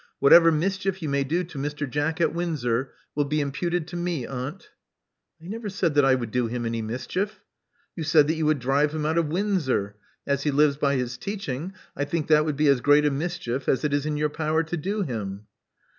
Whatever mischief you may do to Mr. Jack at Windsor will be imputed to me, aunt." I never said that I would do him any mischief." You said you would drive him out of Windsor, As. he lives by his teaching, I think that would be as great a mischief as it is in your power to do him."